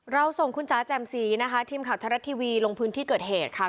เราส่งคุณจ๋าแจ่มสีนะคะทีมข่าวไทยรัฐทีวีลงพื้นที่เกิดเหตุค่ะ